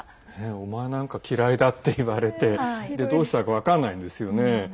お前なんか嫌いだって言われてどうしたらいいか分からないんですよね。